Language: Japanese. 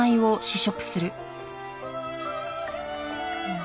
うん。